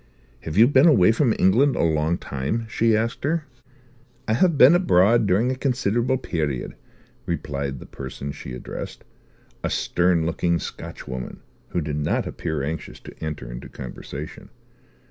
"Have you been away from England a long time," she asked her. "I have been abroad during a considerable period," replied the person she addressed, a stern looking Scotchwoman who did not appear anxious to enter into conversation.